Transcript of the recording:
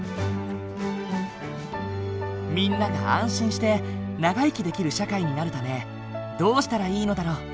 みんなが安心して長生きできる社会になるためどうしたらいいのだろう？